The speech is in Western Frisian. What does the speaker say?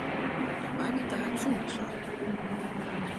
Doch my mar taart sûnder slachrjemme.